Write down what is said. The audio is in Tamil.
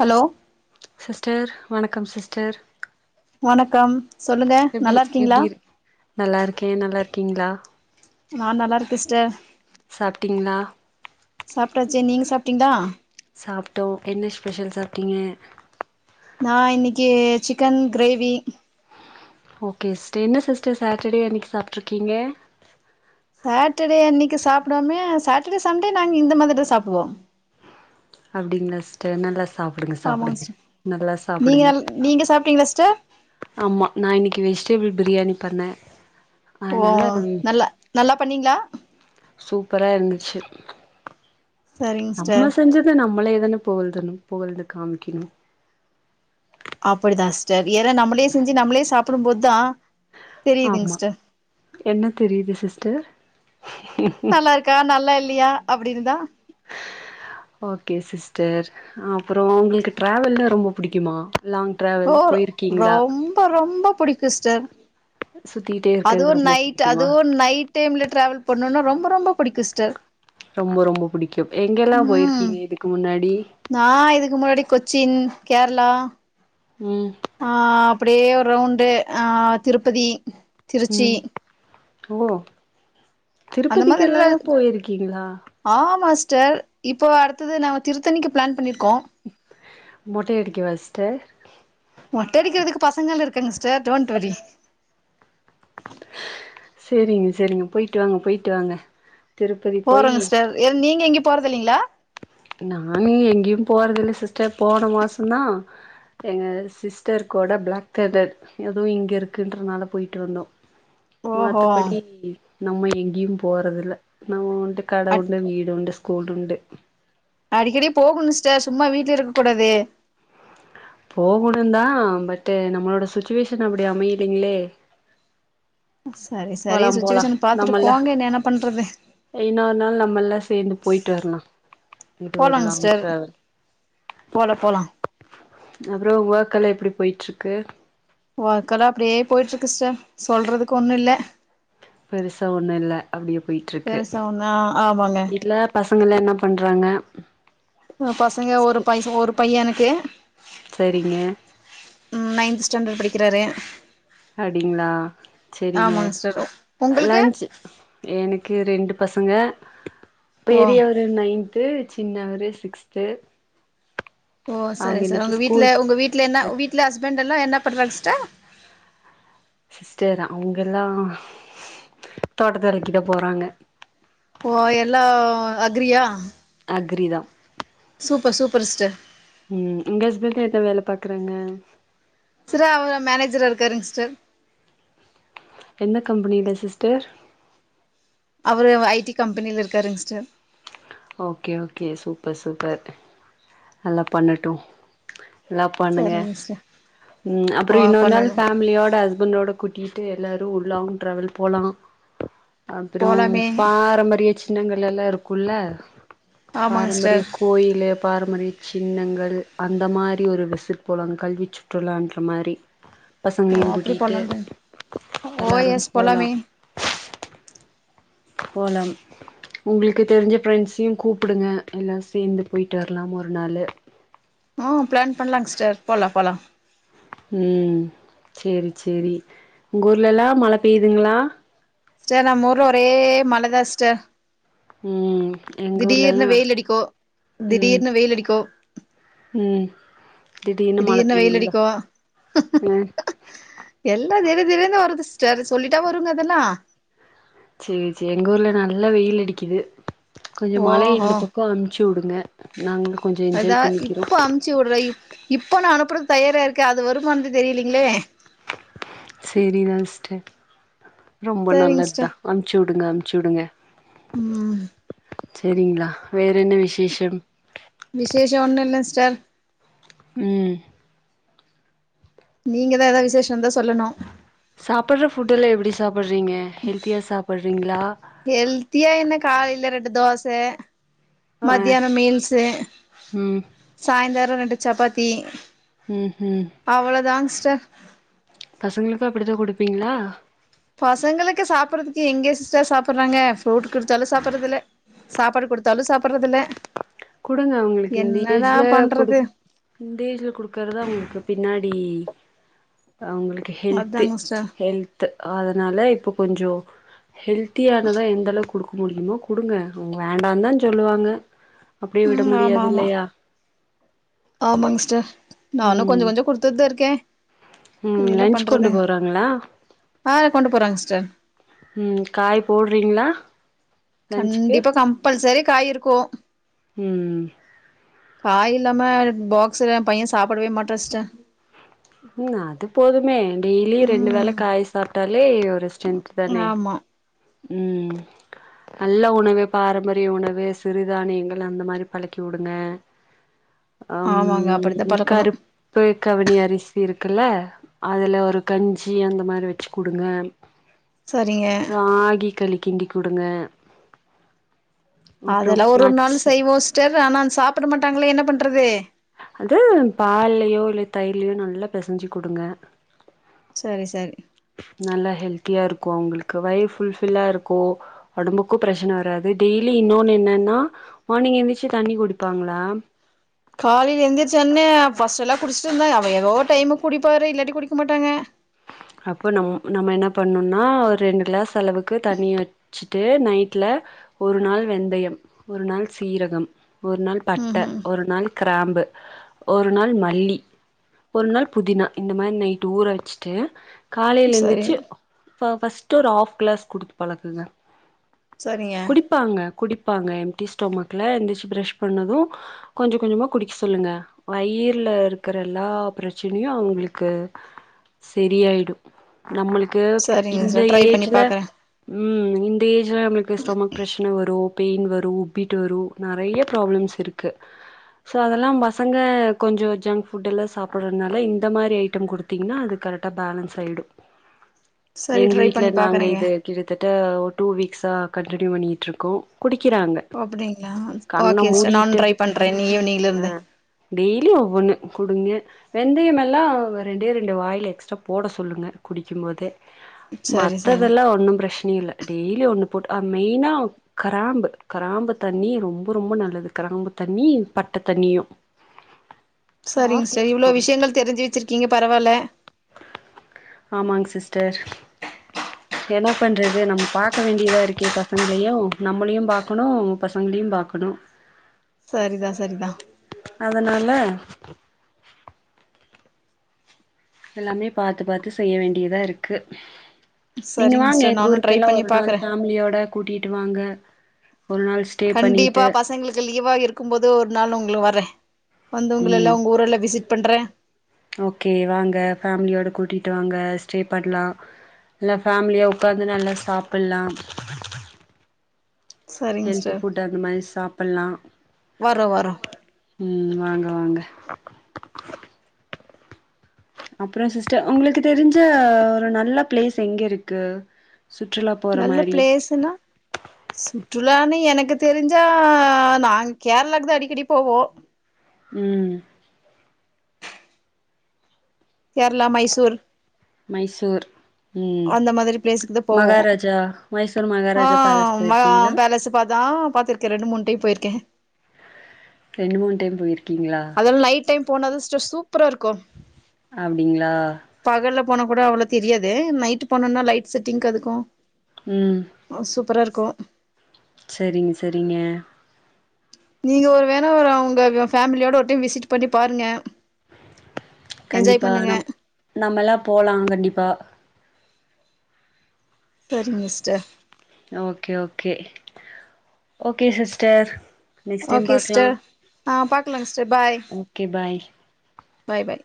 ஹலோ சிஸ்டர் வணக்கம் சிஸ்டர் வணக்கம் சொல்லுங்க எப்டி நல்லா இருக்கீங்களா எப்டி இரு நல்லாருக்கே நல்லாருக்கீங்ளா நா நல்லாருக்க சிஸ்டர் சாப்ட்டீங்களா சாப்ட்டாச்சு நீங்க சாப்டிங்ளா சாப்ட்டோ என்ன ஸ்பெஷல் சாப்ட்டிங்க நா இன்னிக்கி சிக்கன் க்ரேவி ஓகேஸ் என்ன சிஸ்டர் சேட்டடே அன்னிக் சாப்ட்ருக்கீங்க சேட்டர் டே அன்னிக்கு சாப்டாமே சேட்டடே சண்டே நாங் இந்த மாதிரிதா சாப்டுவோ அப்டிங்லா சிஸ்டர் நல்லா சாப்டுங்க ஆமாங்க சாப்டுங்க சிஸ்டர் நல்லா நீங்க சாப்டுங்க நல் நீங்க சாப்ட்டீங்களா சிஸ்டர் ஆமா நா இன்னிக்கு வெஜ்டெபிள் பிரியாணி பண்ண ஓ நல்லா நல்லா பண்ணீங்களா சூப்பரா இருந்துச்சு சரிங்க சிஸ்டர் நம்ம செஞ்சது நம்மளே தன புகழ்துணு புகழ்ந்து காமிகிணு அப்படிதாஸ்டர் ஏற நம்புளே செஞ்சி நம்பளே சாப்புடும் போத் தா தெரியுதுங்க ஆமா சிஸ்டர் என்ன தெரியுது சிஸ்டர் நல்லாருக்கா நல்லால்லியா அப்டின்தா [unintelligible] ஓக்கே சிஸ்டர் அப்றோ உங்குள்க்கு ட்ராவல்லா ரொம்ப புடிக்கிமா லாங் ட்ராவல் போய்ர்கீங்ளா ப்போ ரொம்ப புடிக்குஸ்டர் சுத்திட்டே அதுவு இருக்கறது ரொம்ப நைட் புடிக்குமா அதுவு நை டேம்ல ட்ராவல் பண்ணுன்னா ரொம்ப ரொம்ப புடிக்குஸ்டர் ரொம்ப ரொம்ப புடிக்கு எங்கெலா ம் போய்ர்கீங்க இதுக் முன்னாடி நா இதுகு முன்னாடி கொச்சின் கேர்ளா ம் ஆ அப்புடே ஒ ரவுண்டு ஆ திருப்பதி திருச்சி ம் ஓ திருப்பதிகெல்லகா போய்ர்கீங்ளா ஆமாஸ்டர் இப்போ அடுத்துது நாம திருத்தணிக்கு ப்ளான் பண்ணிர்க்கோ மொட்டையடிக்கவாஸ்டர் மொட்டை அடிக்கிற்த்துக்கு பசங்கள் இருக்காங்க ஸ்டர் டோன்ட் வரி சேரிங்க சேரிங்க போய்ட்டு வாங்க போய்ட்டு வாங்க திருப்பதி போயி போறங்கஸ்டர் எத் நீங்க எங்யு போறது இல்லிங்ளா நாயி எங்க்யு போறதில்ல சிஸ்டர் போன மாசந்தா எங்க சிஸ்டர் கொட ப்ளாக் தன்டட் எதோ இங்க இருக்குன்றனால போய்ட்டு வந்தோ ஓஹோ மத்தப்படி நம்ம எங்க்யு போறதுல நம் உண்டு கட அட் உண்டு வீடு உண்டுஸ் கோல்டுண்டு அடிக்கிடி போகுணுஸ்டர் சும்மா வீட்லேருக்க கூடாதே போகுணுந்தா பட்டு நம்மோட சுச்சுவேஷன் அப்டி அமைலிங்ளே சரி சரி போலாம் போலாம் சுச்சுவேஷன் பாத்துட்டு போங்க னே என்னா பண்றது இன்னொர் நாள் நம்மல்லா சேந்து போய்ட்டு வர்லா இது ஒரு லாங் ட்ராவல் போல போலா அப்றோ வக் கல்லா எப்டி போய்ட்ருக்கு வா கல்லா அப்டே போய்ட்ருக்குஸ்டர் சொல்றதுக்கு ஒண்ணு இல்ல பெருசா ஒண்ணு இல்ல அப்டியே போய்ட்ருக்கு பெருசா ஒன்னா ஆமாங்க இல்லப் பசங்களா என்னா பண்றாங்க பசங்க ஒரு ஸ்கூ பைஸ ஒரு பையன் எனக்கே சரிங்க ம் நைன்த்து ஸ்டாண்டட் படிக்கிறாரே அப்டிங்ளா ச்செரிங்க ஆமாங்க சிஸ்டர் அ உங்களுக்கு லன்ச்சு எனக்கு ரெண்டு பசங்க ஓ பெரியவர் ரு நைன்த்து சின்னவரு சிக்ஸ்த்து ஓ அவங்க சரிங் சார் இன்னைக்கு உங்க வீட்ல ஸ்கூல் உங்க வீட்ல என்ன போய்ட்டு வீட்ல ஹஸ்பண்ட் எல்லா என்னா பண்றாங் ஸ்ட்டர் சிஸ்டர் அவ்ங்கல்லா தோட்டத்து வேலைக்கிதா போறாங்க ஓ எல்லவ் அக்ரியா அக்ரி தா சூப்ப சூப்பர் சிஸ்டர் ம் உங்க ஹஸ்பண்டு என்ன வேல பாக்குறாங்க சிரா அவ்ரா மேனேஜரா இருக்காருங் ஸ்டர் எந்த கம்பெனில சிஸ்டர் அவரு ஐ டி கம்பெனில இருக்காருங்க sister okay okay super super நல்லா பண்ணட்டு லவ் பண்ணுங்க சரிங்க சிஸ்டர் ம் அப்ற ஓ இன்னொரு நாள் பண்ணணு ஃபேமிலியோட ஹஸ் பண்ட்டோட கூட்டிட்டு எல்லாரு ஒரு லாங் ட்ராவல் போலா அப்பற போலாமே பாரம்பரிய சின்னங்கள் எல்லா இருக்குல ஆமாங்க பாரம்பரிய சிஸ்டர் கோயிலு பாரம்பரிய சின்னங்கள் அந்த மாரி ஒரு விசிட் போடனு கல்வி சுற்றுலான்ற மாரி ஓ பசங்களயும் அப்டி கூட்டிட்டு போலான்டு ஓ எல்லாரு எஸ் போலா போலாமே போலம் உங்ளுக்கு தெரிஞ்ச ஃபிரெண்ட்ஸையு கூப்டுங்க எல்லாரு சேந்து போய்ட்டு வரலா ஒரு நாளு ஆ பிளான் பண்லாங்க சிஸ்டர் போலா போலா ம் செரி செரி உங்க ஊர்லல்லா மழ பெய்துங்களா சிஸ்டர் நம்ம ஊர்ல ஒரே மழ தா சிஸ்டர் ம் எங்க திடீர்னு ஊர்லல்லா வெயில் அடிக்கு ம் திடீர்னு வெயில் அடிக்கு ம் திடீர்னு மழ வெயில் பெய்யுங்க அடிக்கு ம் எல்லாம் திடீர் திடீர்னு வருது சிஸ்டர் சொல்லிட்டா வருங்க அதெல்லா செர் செர் எங்க ஊர்ல நல்லா வெயில் அடிக்கிது கொஞ்சோ மழய ஓஹோ இந்த பக்கம் அமுச்சு விடுங்க நாங்களு கொஞ்சோ என்ஜாய் பண்ணிக்கிறோ அமுச்சிவுடுற இப்ப நா அனுப்புறது தயாரா இருக்க அது வருமானு தெரியலிங்களே செரிதா சிஸ்டர் ரொம்ப சரிங்க நல்லது தா சிஸ்டர் அமுச்சு வுடுங்க அமுச்சு வுடுங்க ம் செரிங்களா வேற என்ன விசேஷம் விசேஷம் ஒன்னு இல்ல சிஸ்டர் ம் நீங்கதா எதாவது விசேஷ இருந்தா சொல்லணு சாப்பட்ற ஃபுட்டெல்லா எப்டி சாப்டுறீங்க ஹெல்த்தியா சாப்டுறீங்ளா ஹெல்த்தியா என்ன காலைல ரெண்டு தோச ஆ மத்தியான மீல்ஸூ ம் சாயந்தர ரெண்டு சப்பாத்தி ம் ஹூ ம் அவ்ளோ தா சிஸ்டர் பசங்களுக்கு அப்டிதா குடுப்பீங்ளா பசங்களுக்கு சாப்டுறதுக்கு எங்க சிஸ்டர் சாப்டுறாங்க ஃப்ரூட் குடுத்தாலு சாப்டுறதில்ல சாப்பாடு குடுத்தாலு சாப்பறது இல்ல குடுங்க அவங்களுக்கு இந்த ஏஜ்ல குடு பண்றது இந்த ஏஜ்ல குடுக்குறதுதா அவங்ளுக்கு பின்னாடி அவங்ளுக் ஹெல்த்தி அதாங்க சிஸ்டர் ஹெல்த் அதனால இப்போ கொஞ்சோ ஹெல்த்தியானத எந்த அளவுக் குடுக்க முடியுமோ குடுங்க அவுங்க வேண்டாந்தான் சொல்லுவாங்க அப்பிடியே விட ம் முடியாது இல்லயா ஆமாங்க சிஸ்டர் நானும் கொஞ்சோ ம் கொஞ்சோ குடுத்துட்டு தா இருக்க ம் என்ன லன்ச் கொண்டு பண்றது போறாங்களா ஆ கொண்டு போறாங்க சிஸ்டர் ம் காய் போடுறீங்ளா கண்டிப்பா கம்பல்சரி காய் இருக்கு ம் காய் இல்லாம பாக்ஸ்சு என் பையன் சாப்பிடவே மாட்டா சிஸ்டர் ம் அது போதுமே டெய்லி ரெண்டு வேள ம் காய் சாப்பிட்டாலே ஒரு ஸ ஸ்ட்ரென்த்ட ஆமா ம் நல்ல உணவு பாரம்பரிய உணவு சிறுதானியங்கள் அந்த மாதிரி பழக்கி விடுங்க ஆமாங்க அப்படித்தா ம் பழக்கணு கருப் பு கவுனி அரிசி இருக்குல்ல அதுல ஒரு கஞ்சி அந்த மாரி வச்சு குடுங்க சரிங்க ராகி கழிக் கிண்டி குடுங்க அப்றோ அதெல்லா ஒரொரு நாள் நட்ஸ் செய்வோம் சிஸ்டர் ஆனா சாப்பிட மாட்டாங்களே என்ன பண்றது அது பால்லயோ இல்ல தயிர்லயோ நல்லா பெசஞ்சு குடுங்க சரி சரி நல்லா ஹெல்த்தியா இருக்கோ அவங்களுக்கு வயிறு ஃபுல்ஃபில்லா இருக்கோ ஒடம்புக்கும் பிரச்சனை வராது டெய்லி இன்னொன்னு என்னன்னா மார்னிங் எந்திரிச்சு தண்ணி குடிப்பாங்களா காலையில எந்திரிச்சோன்னே ஃபர்ஸ்ட்டெல்லா குடிச்சிட்டு இருந்தாங்க அவன் எதோ டைமுக் குடிப்பாரு இல்லாட்டி குடிக்க மாட்டாங்க அப்போ நம்ம நம்ம என்ன பண்ணனுன்னா ஒரு ரெண்டு கிளாஸ் அளவுக்கு தண்ணிய வச் வச்சுட்டு நைட்ல ஒரு நாள் வெந்தயம் ஒரு நாள் சீரகம் ஒரு நாள் ம் பட்ட ம் ஒரு நாள் கிராம்பு ஒரு நாள் மல்லி ஒரு நாள் புதினா இந்த மாதிரி நைட்டு ஊற வச்சிட்டு காலையில சரி எந்திருச்சு ஃபர்ஸ்ட்டு ஒரு ஹாஃப் கிளாஸ் குடுத்து பழக்குங்க சரிங்க டிப்பாங்க குடிப்பாங்க எம்டி ஸ்டொமக்ல எந்திரிச்சு பிரஷ் பண்ணது கொஞ்ச கொஞ்சமா குடிக்க சொல்லுங்க வயிறுல இருக்குற எல்லா பிரச்சனையு அவங்களுக்கு சரியாயிடு நம்மளுக்கு சரிங்க இந்த சிஸ்டர் ட்ரை பண்ணி ஏஜ்ல பாக்குறே ம் இந்த ஏஜ்ல நம்மளுக்கு ஸ்டொமக் பிரச்சன வரு பெயின் வரு உப்பிட்டு வரும் நெறைய ப்ராப்ளம்ஸ் இருக் க்கு ஸோ அதெல்லாம் பசங்க கொஞ்சோ ஜங்க் ஃபுட்டெல்லா சாப்பிடடுறதுனால இந்த மாரி ஐட்டம் குடுத்தீங்கன்னா அது கரெக்ட் ட்டா பேலன்ஸ் ஆயிடும் சரி எங்க ட்ரை வீட்டுல பண்ணி நாங்க பாக்குறேங்க இது கிட்டத்தட்ட ஒரு டூ வீக்ஸா கன்டினியூ பண்ணிகிட்ருக்கோ குடிக்கிறாங்க ஓ அப்பிடிங்களா கண்ண ஓகே சிஸ்டர் நானு மூடிட்டு ட்ரை பண்றேன் இன்னி ஈவினிங்ல இருந்து டெய்லி ஒவ்வொன்னு குடுங்க வெந்தயம் எல்லாம் ரெண்டே ரெண்டு வாயில எக்ஸ ட்ரா போடச் சொல்லுங்க குடிக்கும்போதே சரி சரி மத்ததெல்லா ஒன்னும் பிரச்சன சனையேல்ல டெய்லி ஒண்ணு போட்டு மெய்னா கிராம்பு கிராம்பு தண்ணி ரொம்ப ரொம்ப நல்லது கிராம்பு தண்ணி பட்ட தண்ணியும் சரிங்க சிஸ்டர் இவ்வளோ விஷயங்கள் தெரிஞ்சு வச்சிருக்கீங்க பரவாயில்ல ஆமாங்க சிஸ்டர் என்ன பண்றது நம்ம பாக்க வேண்டியதா இருக்கே பசங்களையு நம்மளையு பாக்கணு பசங்களையு பாக்கணு சரிதா சரிதா அதனால எல்லாமே பாத்து பாத்து செய்ய வேண்டியதா இருக்கு நீங்க சரிங்க வாங்க சிஸ்டர் எங்க நானு ட்ரை ஊருக்கெல்லா பண்ணி ஒரு நாள் பாக்குறே ஃபேமிலியோட கூட்டிட்டு வாங்க ஒரு நாள் ஸ் கண்டிப்பா பசங்களுக்கு லீவா இருக்கும் போது ஒரு நாள் உங்ளு வரே வந்து ம் உங்கல்லாம் உங்க ஊரல்லா விசிட் பண்றே ஓகே வாங்க ஃபேமிலியோட கூட்டிட்டு வாங்க ஸ்டே பண்லா எல்லா ஃபேமிலியா உக்காந்து நல்லா சாப்பலாம் சரிங்க ஹெல்தி சிஸ்டர் ஃபுட் அந்த மாறி சாப்ட்லா வரோ வரோ உம் வாங்க வாங்க அப்ற சிஸ்டர் உங்களுக்கு தெரிஞ்ச ஒரு நல்ல பிளேஸ் எங்க இருக்கு சுற்றுலாப் ப நல்ல பிளேஸ்னா சுற்றுலான்னு எனக்கு தெரிஞ்சா நாங்க கேரளாக்கு தா அடிக்கடி போவோ உம் கேரளா மைசூர் மைசூர் உம் அந்த மாதிரி பிளேஸுக்கு தா போவோ மகாராஜா மைசூர் மகாராஜா பேலஸ் போயிருக்கீஙளா அப்ப தா பாத்துருக்கே ரெண்டு மூணு டைம் போயிருக்கே ரெண்டு மூணு டைம் போயிருக்கீங்ளா அதலா நைட் டைம் போனாதூ [unintelligible] சூப்பரா இருக்கு அப்டிங்ளா பகல்ல போனா கூட அவ்ளோ தெரியாது நைட் போனம்னா லைட் செட்டிங்கு அதுக்கூ உம் அ சூப்பரா இருக்கூ செரிங்க சரிங்க நீங்க ஒரு வேணா ஒரு அவுங்க ஃபேமிலியோட ஒரு டைம் விசிட் பண்ணி பாருங்க என்ஜாய் கண்டிப்பா பண்ணுங்க நம் நம்மல்லா போலா கண்டிப்பா சரிங்க sister okay okay okay sister next time okay பாக்கலா சிஸ்டர் ஆ பாக்கலாங் sister bye okay bye bye பாய்